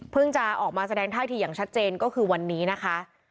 จะออกมาแสดงท่าทีอย่างชัดเจนก็คือวันนี้นะคะ